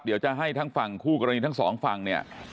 เดี๋ยวจะให้ทั้งฝั่งคู่กรณีทั้งสองฝั่งเนี่ย